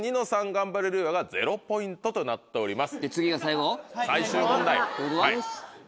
ガンバレルーヤが０ポイントとなっております。